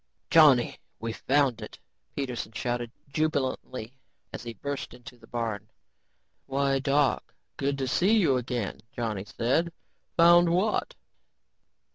"Johnny, we've found it," Peterson shouted jubilantly as he burst into the barn. "Why, Doc, good to see you again," Johnny said. "Found what?"